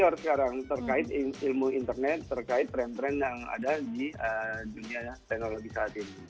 harus lebih superior sekarang terkait ilmu internet terkait trend trend yang ada di dunia teknologi saat ini